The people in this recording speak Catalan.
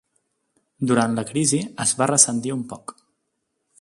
Durant la crisi es va ressentir un poc.